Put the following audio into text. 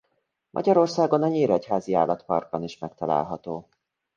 Magyarországon a nyíregyházi állatparkban is megtalálható.